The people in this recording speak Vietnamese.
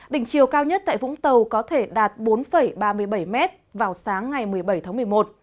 đỉnh chiều cao nhất tại vũng tàu có thể đạt bốn ba mươi bảy m vào sáng ngày một mươi bảy tháng một mươi một